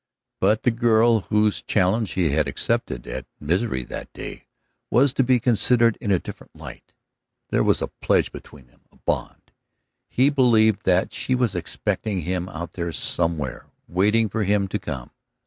But the girl whose challenge he had accepted at Misery that day was to be considered in a different light. There was a pledge between them, a bond. He believed that she was expecting him out there somewhere, waiting for him to come.